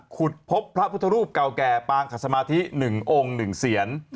ขุดพบพระพุทธรูปเก่าแก่ปางขัดสมาธิ๑องค์๑เสียน